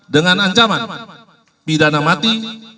dengan ancaman pidana mati